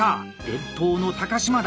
伝統の高島田！